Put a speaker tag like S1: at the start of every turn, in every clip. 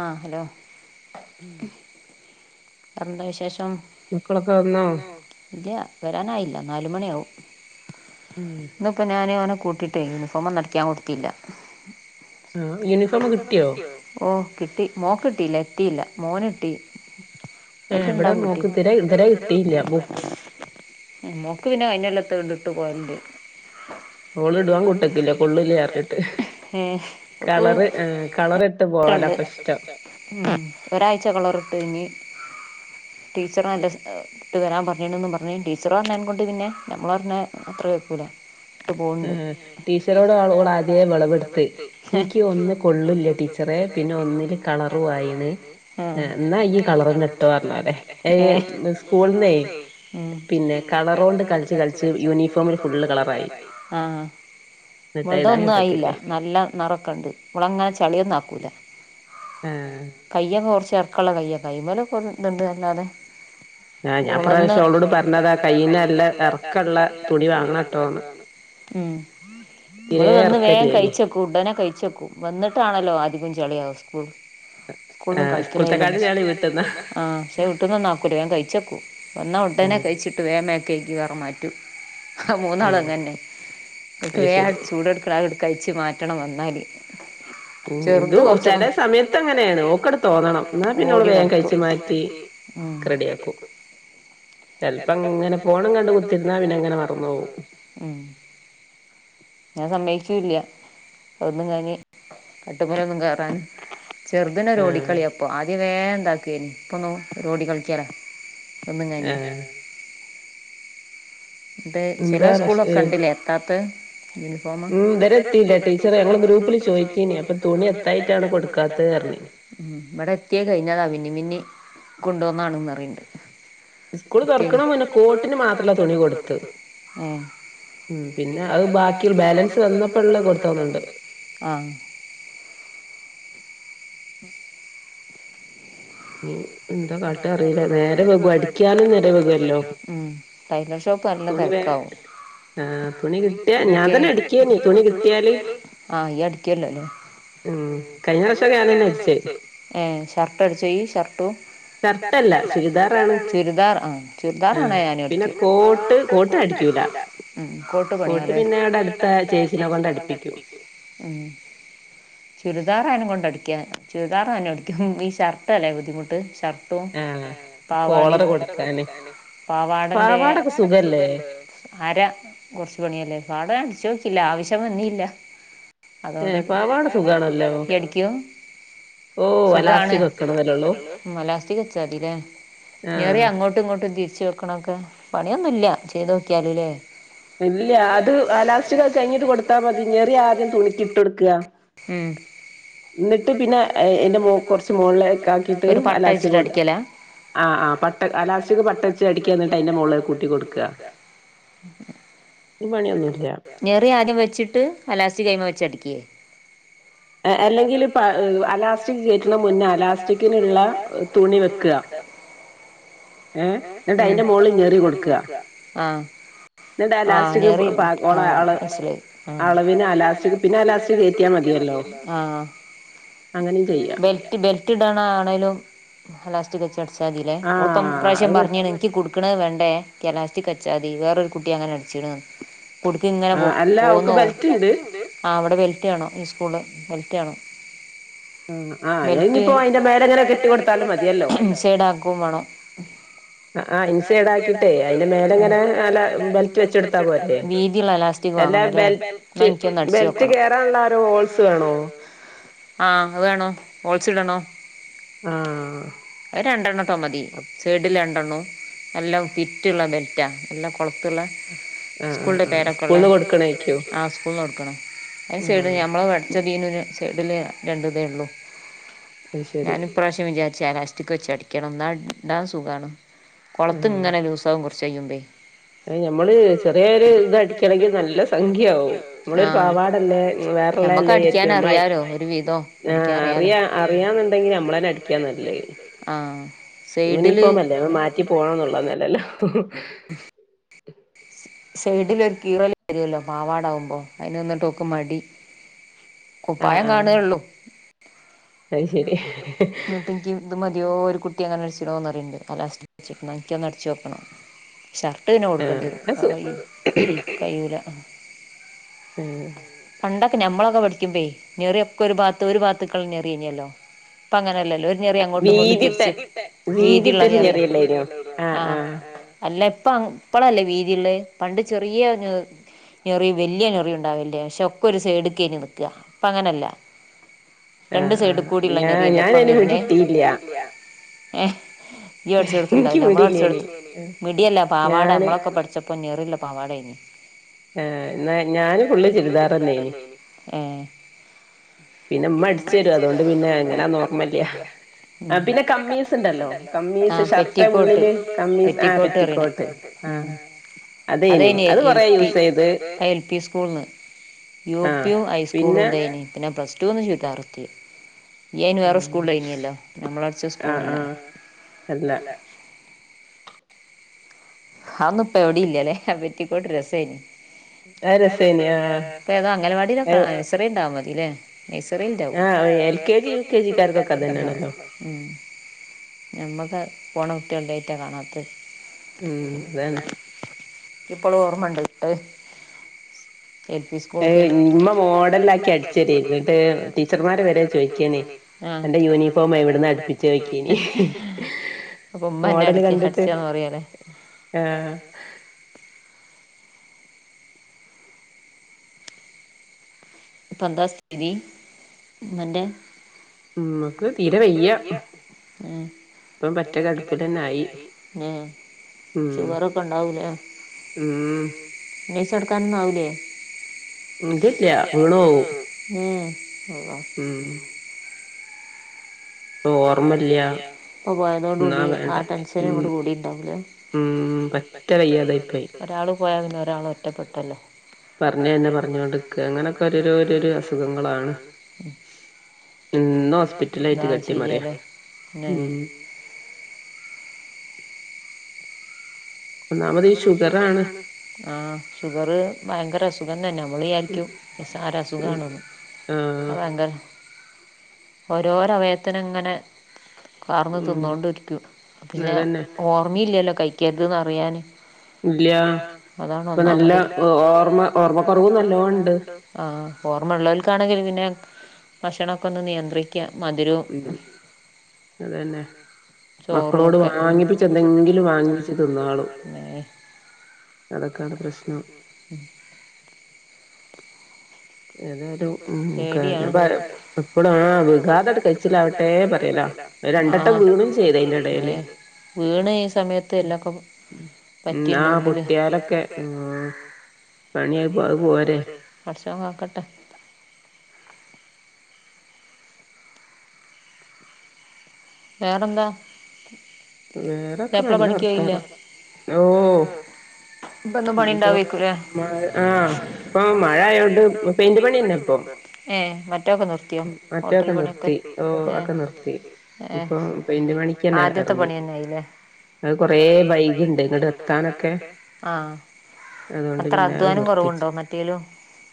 S1: ആഹ് hello എന്താ വിശേഷം?
S2: മക്കളൊക്കെ വന്നോ?
S1: ഇല്ല വരാനായില്ല നാലുമണിയാവും
S2: ഉം
S1: ഇന്നിപ്പം ഞാനിവനെ കൂട്ടിയിട്ട് യൂണിഫോമ് അടിക്കാൻ കൊടുത്തില്ല
S2: ആ യൂണിഫോം കിട്ടിയോ?
S1: ഓഹ് കിട്ടി മോക്ക് കിട്ടില്ല എത്തിയില്ല മോന് കിട്ടി ണ്ട പുധട്ട [inaudible] നോക്ക് പിന്നെ [unintelligible] കൈള്ളത്ത് ഇണ്ട ഇട്ട് പോയണ്ട് നട വട്ടത്തിില്ല കൊള്ള ആക്കട്ട [inaudible]
S2: കളർ ഇട്ട് പോയി
S1: ഉം ഒരാഴ്ച കളർ ഇട്ട് ഇങ്ങി ടീച്ചർ [unintelligible] എല്ല ഇട്ട് വരാൻ പറഞ്ഞന്ന് പറഞ്ഞ ടീച്ചർ പറഞ്ഞൻ കൊണ്ട് പിന്നെ നമ്മള് പറഞ്ഞാ അത്ര കേൾക്കൂല
S2: ഉം ആ ടീച്ചറോട്ളള ആദ്യ വിളവെടുത്ത് എനിക്ക് ഒന്നും കൊള്ളില്ല ടീച്ചർ
S1: ടീച്ചറെ പിന്നെ ഒന്ന് കളർ വായിന് എന്നാ ഈ കളർ കിട്ടുക ആഹ്. സ്കൂള് മ്മ് പിന്നെ കളറണ്ട് കളിച്ച് കളച്ച് യൂണിഫോമില് ഫുള്ള് കളറായി ആഹ് മുളുതൊന്നും ആയില്ല നല്ല നിറക്കുണ്ട് മുളങ്ങനെ ചളിയന്ന കുട ആഹ് കയ്യൊക്ക കുറച്ച് ഇറക്കുള്ള കയ്യാ കൈമേല് ഇതുണ്ട് അല്ലാതെ ഓണ്ട് പറഞ്ഞത് കൈനല്ല ഇറക്കുള്ള തുണി വാങ്ങണട്ടോണ് ഉം നമ്മള് വന്ന് വേഗം കഴിച്ചു കുഡനെ കഴിച്ചെക്കും [unintelligible] വന്നിട്ടാണല്ലോ ആധികം ചെളിയാവ സ്കൂൾ സ്കൂളിൽ നിന്നും കളിക്കണേലും ആ ശേ ഇട്ടന്ന ആക്കൂല ഞാൻ കഴിച്ചേക്കും വന്നാ ഉടനെ കഴിച്ചിട്ട് വേഗമൊക്കി [unintelligible] വറ മാറ്റി മൂന്നാള് അങ്ങനന്നെ വേറെ [unintelligible] ചൂട്ടുക്ക കഴിച്ചു മാറ്റണം വന്നാല് ചെറുത് കൊറച്ചൊക്കെ ചില സമയത്ത് അങ്ങനെയാണ് അവക്കൂടെ തോന്നണം ഓടി മാറ്റി ആഹ് [unintelligible] പറ
S2: ചിലപ്പം ഇങ്ങനെ ഫോണും കണ്ട് കുത്തിരുന്നാ പിന്നെ അങ്ങനെ മറന്നു പോകും
S1: ഉം ഞാൻ സമ്മയിക്കൂല്ല അതൊന്നും കഴിഞ്ഞ് കട്ടിൻമേലൊന്നും കേറാൻ ചെറുതിന് ഒരോടിക്കളിയി അപ്പൊ അടി വേണ്ട എപ്പൊനോക്കിയാലും റോഡിൽ കളിക്കലാണ് ഒന്നും [unintelligible] ക ഇത് ചില സ്കൂളൊക്കെ ഉണ്ടല്ലേ എത്താത്തെ എത്തീലാ ടീച്ചറെ ഞങ്ങള് ഗ്രൂപ്പില് ചോദിച്ചാരുന്നു അപ്പൊ തുണി എത്തായിട്ടാണ് കൊടുക്കാത്തതെന്നു പറഞ്ഞു ഉം ഇവിടെ എത്തിയ കഴിഞ്ഞതാ പിന്നിം പിന്നിം കൊണ്ട് വന്ന ആണ്‌ന്ന് അറിയ്ണ്ട്
S2: ഇസ്കൂൾ തൊറക്കണ മുന്നെ കോട്ടിന് മാത്രല്ല തു
S1: തുണി കൊടുത്തു
S2: ഉം പിന്നെ അത് ബാക്കിള്ള ബാലൻസ് വന്നപ്പള്ളെ കൊടുത്ത തോന്നുണ്ട്
S1: ആഹ്
S2: [inaudible]
S1: എന്താ കാട്ട അറിയൂല നേരം വെങ്കും അടിക്കാനും നേരം വെങ്കോല്ലോ ഉം ടൈലർ [unintelligible] പറഞ്ഞ തെരക്കാവും ആഹ്‌ തുണി [unintelligible] തുണി കിട്ടിയാല് ആഹ ഇയ്യ് അടിക്കോലോ ലെ
S2: ഉം കഴിഞ്ഞ പ്രാവശ്യോക്കെ ഞാനെന്നെ അടിച്ചത്
S1: ഏഹ്‌ ഷർട്ട് അടിച്ചോയ്യ് ഷർട്ടും ഷർട്ടല്ല ചുരിദാറാണ് ചുരിദാർ ആഹ ചുരിദാർ ആണേൽ ഞാനും അടിക്കും പിന്നെ കോട്ട് കോട്ട് അടിക്കൂല ഉം കോട്ട് പണിയാല്ലേ കോട്ട് പിന്നെ ഇവിടെ അടുത്ത ആഹ ചേച്ചിനെക്കൊണ്ട് അടുപ്പിക്കും ചുരിദാർ അനെ കൊണ്ട അടിക്ക ചുരിദാറും ഞാനും അടിക്കും ഈ ഷർട്ട് അല്ലേ ബുദ്ധിമുട്ട് ഷർട്ട് പാവാടി [unintelligible] പാവാടന്റെ പാവാടൊക്കെ സുഖല്ലേ അര കൊറച്ചു പണിയല്ലേ പാവട ഞാൻ അടിച്ചു നോക്കില്ല ആവശ്യം വന്നില്ല അതൊണ്ട്ടിക്കും ഏഹ് പാവാട സുഖാണല്ലോ ഇയ്യ് അടിക്കും സുഖാണ് ഉം അലാസ്റ്റിക് വച്ചാതില്ലേ ഞൊറി അങ്ങോട്ടും ഇങ്ങോട്ടും തിരിച്ച് വെക്ക നോക്കണൊക്കെ പണിയൊന്നുല്ല ചെയ്ത് നോക്കിയാല് ല്ലേ
S2: ഇല്ല അത് അലാസ്റ്റിക്ക് അത് കഴിഞ്ഞിട്ട് കൊടുത്താൽ മതി ഞെറി ആദ്യം തുണിക്കിട്ട് കൊടുക്ക
S1: മ്
S2: ന്നിട്ട് പിന്നെ ഏഹ് അയ്ന്റെ കൊറച്ച് മോള് ഒക്കെ ആക്കിട്ട് അലാസ്റ്റിക്കും ഇട ആഹ് ആഹ്‌ പട്ട അലാസ്റ്റിക്ക് പട്ട വെച്ച് അടിക്ക എന്നിട്ട് അയ്ന്റെ മോളിൽ കൂട്ടി കൊടുക്ക
S1: ഞെറി ആദ്യം വെച്ചിട്ട് അലാസ്റ്റിക്ക് അയ്മെ വെച്ചടിക്ക
S2: ഏഹ് അല്ലെങ്കിലിപ്പം അലാസ്റ്റിക് കയറ്റണ മുന്നേ അലാസ്റ്റിക്കിനുള്ള തുണി വെക്ക ഏഹ്‌ ന്നിട്ട് അയ്ന്റെ മോളിൽ ഞറി കൊടുക്ക
S1: ആഹ്‌ ആഹ് ഞെറി ആഹ് മനസ്സിലായി ആഹ്‌ ബെൽറ്റ് ബെൽറ്റ് ഇടണ ആണെലും അലാസ്റ്റ്ക്ക് വെച്ച് അടച്ചാൽ മതില്ലേ ഓള്പ്പം ഇപ്രാവശ്യം പറഞ്ഞണ് ക്ക് കുടുക്കണ വേണ്ടേ ക്ക് അലാസ്റ്റിക് വെച്ചാതി വേറൊരു കുട്ടി അങ്ങനെ അടിച്ചിണ്ന്ന് ‌ കുടുക്ക് ഇങ്ങനെ പോ പോന്നോവും ആഹ്‌ അവിടെ ബെൽറ്റ്‌ വേണം ഈ സ്കൂള് ബെൽറ്റ്‌ വേണം ബെൽറ്റ്‌ ഇൻസൈട് ആക്കും വേണം ആഹ്‌ ഇൻ സൈടാക്കിട്ടേ അയ്ന് മേലെങ്ങനെ ബെൽറ്റ്‌ വച്ചെടുത്താ പോരെ ഉം വീതിള്ള ഇലാസ് റ്റി വാങ്ങണല്ലേ ന്ന ഇൻക്കൊന്ന് അടിച്ചു നോക്കണം
S2: ഹോൾസ് വേണോ
S1: ആഹ്‌ അഹ് വാണം ഹോൾസ് ഇടണം ആഹ് അഹ് രണ്ടെണ്ണം ഇട്ടാ മതി സേഡില് രണ്ടെണ്ണോം നല്ല ഫിറ്റുള്ള ബെൽറ്റാ നല്ല കൊളത്തുള്ളെ സ്കൂളിന്റെ പേരൊക്കെ ഉള്ളേ ആഹ്‌ സ്കൂൾന്ന് കൊടുക്കണ അതിന് സൈഡ് ഞമ്മളെ പഠിച്ച തീന്ന് സൈഡില് രണ്ട്‌ ഇതേ ഒള്ളു ഞാൻ ഇപ്രാവശ്യം വിചാരിച്ച അലാസ്റ്റിക് വച്ച് അടിക്കണം എന്നാ ഇടാൻ സുഖാണ് കൊളത്തിങ്ങനെ ലൂസാവും കൊറച്ച് കഴിയുമ്പേ
S2: അത് നമ്മള് ചെറിയൊരു ഇത് അടിക്കണെങ്കിൽ നല്ല സംഖ്യ ആവും നമ്മളൊരു പാവാടല്ലേ വേ റെള്ളല്ലേ വിചാരിക്കും നമ്മളയ ആഹ അറിയ അറിയാന്നുണ്ടെങ്കിൽ നമ്മളന്നെ അടിക്കാന്നല്ലത്
S1: ആഹ
S2: യൂണിഫോം അല്ലേ അത് മാറ്റി പോണംന്നുള്ളന്നല്ലല്ലോ
S1: [inaudible] സൈഡിലൊ ഒരു കീറല്ല വരുല്ലോ പാവാട ആകുമ്പോ അതിനൊന്നിട്ട്ഓക്ക് മടി കുപ്പായം കാണുയള്ളൂ ആഹ്ശേരി ന്നിട്ടിൻക് ഇത് മതിയോ ഒരു കുട്ടി കുട്ടി അങ്ങനെ അടിച്ചുോന്ന്പറയുന്നുണ്ട് അ ലാസ്റ്റ് വക്ക എനക്ക്ന്ന് അടച്ച് ഓക്കണം ഷർട്ട് പിന്നെ കൊടുക്കേണ്ടിരും കയൂല പണ്ടൊക്കെ ഞമ്മളൊക്കെ പഠിക്കുംബെ ഞറിയൊക്കെ ഒരുാബാത് ഒരു ഭാത്തക്കളഞെറിഎനിയല്ലോ ഇപ്പൊ അങ്ങനെല്ലല്ലോ ഞറി അങ്ങോട്ടും ഇങ്ങോട്ട് വീതിട്ട തിരിച്ച് വീതിള്ള അറിയാം ആഹ അല്ല ഇപ്പ ഇപ്പളല്ലേ വീതിള പണ്ട് ചെറിയ ഞ്ഞെ ഞെറി വലിയ നെറിഉണ്ടാവില്ലേ പക്ഷെ ഒക്കെ ഒരു സൈഡക്കനി നിൽക ഇപ്പ അങ്ങനെയല്ല രണ്ടു സൈഡ് കൂടിള്ള ഞറിയല്ലേ ഇപ്പം വര്നെ കിട്ടീല്യ ഏ ഇയ്യ് ഒടിച്ചെടുത്തുണ്ടാവില്ല നമ്മള അടിച്ചെടതു മിടിയല്ല പാവാട നമ്മളൊക്കെ പഠ ചപ്പ ഞറിള്ള പവാടേനി
S2: ആന്നാ ഞാന് ഫുള്ള് ചുരിദാർന്നേനി
S1: ഹേ
S2: പിന്നെ ഇമ്മ അടിച്ചരും അതുണ്ട് പിന്നെ എങ്ങനാ നോർമ്മല്ലയാ ആ പിന്നെ കമ്മീസ് ഉണ്ടല്ലോ കമ്മീസ് ഷർട്ട ഉള്ളില് കമ്മീസ് ആ പെറ്റിക്കോട്ട് മ്
S1: അതെനി L P L P school U പിയും ഹൈസ്കൂൾ ഉണ്ടായിനി പിന്നെ പ്ലസ് ടു ട്ടു ചുരിതാറേതിയെ ഇയ്യ് അയ്ൻ വേറെ സ്കൂളോലെനിയല്ലോ നമ്മൾ പഠിച്ച സ്കൂ
S2: ആഹ ആഹ അല്ല
S1: അന്നും ഇപ്പ എവിട ഇല്ലല്ലെ പറ്റിക്കോട്ട് രസേനി അഹ് രസേനി ആ ഇപ്പതോ അംഗൻവാടി നഴ്സറിണ്ടാമത്തിലെ നഴ്സറിൽ ഉണ്ടാവും എൽ കെ ജി യൂകേജി കാർക്കൊക്കെ ണ്ടാവണലോ നമുക്ക് പോണ കുട്ട്യാൾ ഇണ്ടാറ്റ കാണാത്തെ ഇപ്പള് ഓർമ്മണ്ട് ഇട്ടേ
S2: ഏ ഇമ്മ മോഡല ആാക്കി അടിച്ചര എന്നിട്ട് ടീച്ചർമാര് വരെ ചോയ്ക്കാനേ എന്റെ യൂണിഫോം എവിടുന്ന് അടുപ്പിച്ചച്ച് യോകേനി
S1: അപ്പൊ ഉമ്മ എന്നെ അടിക്ക അടിച്ചാന്ന് പറയല്ലേ
S2: ആഹ
S1: പന്താസ്ഥിതി ഉമ്മന്റെ ഉമ്മക്ക് തീരെ വയ്യ ഇപ്പ പറ്റ കടുപിലെനായി ആായി ഷുഗർൊക്കെ ഉണ്ടാവൂലേ നീച്ചട്കാനൊന്നും ആവൂലെ
S2: ഇല്ല്യ ഇല്ല്യ വീണോവും
S1: അഓർമ്മാല്യ പ്പപോയതോടുകൂടി ആ ടെൻഷനങ്ങോട് കൂടിണ്ടാവൂലേ? മ് പറ്റേവയ്യാതായിപ്പോയി ഒരാള് പോയതന്നെ ഒരാൾ ഒറ്റപ്പെെട്ടല്ലോ, പറഞ്ഞന്നെ പറഞ്ഞോണ്ട്ക്ക അങ്ങനെയൊക്കെ ഒരരോ അസുഖങ്ങളാണ്,
S2: ഇന്ന് ഹോസ്പിറ്റല ആയിട്ട് ക
S1: ചെയ്യല് പിന്നെ
S2: ഒന്നാമത് ഈ ഷുഗർ ആണ്
S1: ആഹ ഷുഗർ ഭയങ്കര അസ് സുഖം തന്നെ നമ്മള വിചാരിക്കും സാരാ അ സുഖണന്ന് അ ഭങ്കര ഓരോരവയത്തിന ഇങ്ങനെ കാർന്ന് തിന്നുകൊണ്ടിരിക്കും അന്നെ ഓർമ്മയില്ലല്ലോ കഴിക്കരുതന്ന് അറിയാന് ഇല്ല അതാണ് ഒന്നാമത് ല്ല്യ ഓർമ കുറവ് നല്ലോണ്ട് ആ ഓർമ്മയ ഉുള്ളോർക്കാണെങ്കിൽ പിന്നെ ഭക്ഷണമൊക്കെ ഒന്ന് നിയന്ത്രി ക്കാ മധുരം
S2: അതന്നെ മക്കളോട് വാങ്ങിപ്പിച്ച് എന്തെങ്കിലും വാങ്ങിപ്പിച്ച് തിന്നാളൂ
S1: ഏ നടക്കാൻ പെട്ടി പേടിയാ ആഹ് ഏ വീണ് ഈ സമയത്ത് എല്ലൊക്കെ
S2: ആഹ് പൊട്ടിയാലൊക്കെ ഉം പണിയാ അത് പോരെ
S1: പടച്ചോൻ കാക്കട്ടെ വേറെന്താ
S2: വേറെയൊക്കെ നല്ല വർത്താനം ഓ ഇനിപ്പൊ ആ ഇപ്പൊ മഴ ആയോണ്ട് പെയിന്റ് പണി തന്നെ ഇപ്പൊ ഉം മറ്റേതൊക്കെ നിർത്തി ഓ ഒക്കെ നിർത്തി ഇപ്പം പെയിന്റ് പണിക്ക് തന്നെ എറങ്ങി
S1: [unintelligible] ഞാൻ കുറേ വൈകും വീട് എത്താനൊക്കെ അത്ര അധ്വാനം കുറവുണ്ടോ മറ്റേലും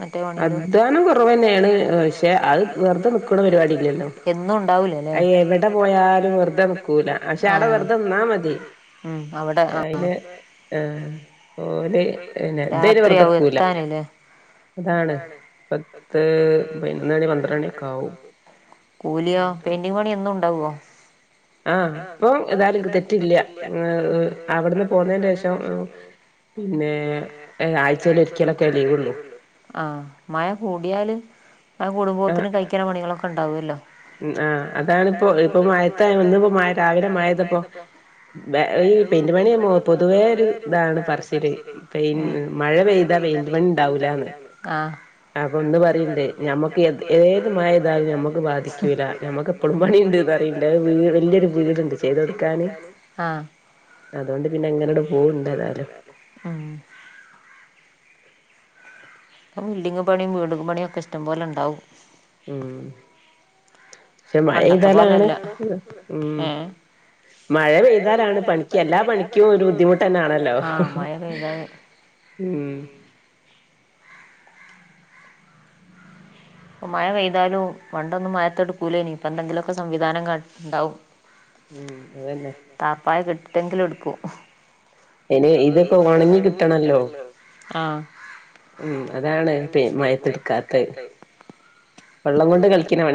S1: മറ്റേ പണീലും അധ്വാനം കുറവന്നേ ആണ് പക്ഷെ അത് വെറുതെ നിക്കണ പരിപാടി ഇല്ലല്ലോ എന്നും ഉണ്ടാവൂല്ല അല്ലേ
S2: എവിടെ പോയാലും വെറുതെ നിക്കൂല ഇജ്ജ് അവിടെ വെറുതെ നിന്നാ മതി അയിന് ആഹ് ഓല് ഇതയിന് വെറുതെ നിക്കൂല അതാണ് പത്ത് പതിനൊന്ന് മണി പന്ത്രണ്ട് മണിയൊക്കെ ആവും
S1: കൂലിയോ പെയിന്റിങ് പണി എന്നും ഇണ്ടാവുവോ
S2: ഏതായാലും ഇത് തെറ്റില്ല ഏ അവിടുന്ന് പോന്നേൻ്റേ ശേഷം പിന്നെ ആഴ്‌ചേൽ ഒരിക്കലൊക്കെയേ ലീവുള്ളൂ
S1: ആഹ് മഴ കൂടിയാല് മഴ കൂടുമ്പത്തേന് കഴിക്കണ പണികളൊക്കെ ഉണ്ടാവൂല്ലോ
S2: ഉം ആഹ് അതാണിപ്പോ ഇപ്പൊ മഴക്കാ ഇന്നിപ്പോ രാവിലെ മഴ പെയ്തപ്പൊ ബേ ഈ പെയിന്റ് പണി പൊതുവേ ഒരു ഇതാണ് പറച്ചില് പിന്നെ
S1: മഴ പെയ്താ പെയിന്റ് പണി ഉണ്ടാവൂലാന്ന് ആഹ്
S2: അപ്പൊ ഒന്ന് പറയണ്ടേ ഞമ്മക്ക് ഏത് മഴ പെയിതാലും ഞമ്മക്ക് ബാധിക്കൂല്ല ഞമ്മക്ക് ഇപ്പോ
S1: ഇവടെയുണ്ട് പണിയുണ്ട് ഏ വല്ല്യൊരു ഒരു വീടുണ്ട് ചെയ്ത് കൊടുക്കാന് അഹ്
S2: അതുകൊണ്ട് പിന്നെ എങ്ങനാണ്ട് പോവുണ്ട് എതായാലും
S1: ഉം ഇപ്പം ബിൽഡിംഗ് പണിയും വീട് പണിയുമൊക്കെ ഇഷ്ടം പോലെ ഉണ്ടാവും
S2: ഉം പക്ഷെ മഴ പെയിതാലാണ് ഉം മഴ പെയ്താലാണ് പണിക്ക് എല്ലാ പണിക്കും ഒരു ബുദ്ധിമുട്ട് തന്നെയാണല്ലോ ഉം
S1: മഴ പെയ്താലും പണ്ടൊന്നും മഴ എടുക്കൂലാനി ഇപ്പൊ എന്തെങ്കിലുമൊക്കെ സംവിധാനം ഉണ്ടാവും
S2: ഉം അത് തന്നെ
S1: താർപ്പായ കെട്ടിയെങ്കിലും എടുക്കും ഇനി ഇതൊക്കെ ഒണങ്ങി കിട്ടണോല്ലോ
S2: ഉം അതാണ് പി മഴയത്ത് എടുക്കാത്തേ വെള്ളം കൊണ്ട് കളിക്കണ പണി